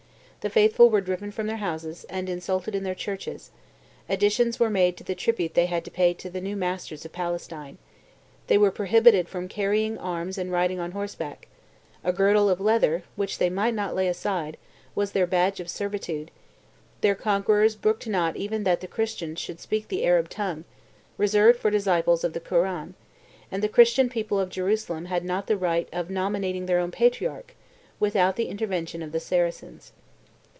The faithful were driven from their houses, and insulted in their churches; additions were made to the tribute they had to pay to the new masters of Palestine; they were prohibited from carrying arms and riding on horseback; a girdle of leather, which they might not lay aside, was their badge of servitude; their conquerors brooked not even that the Christians should speak the Arab tongue, reserved for disciples of the Koran; and the Christian people of Jerusalem had not the right of nominating their own patriarch without the intervention of the Saracens.